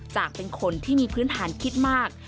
จากเป็นคนที่มีพื้นฐานคิดมาก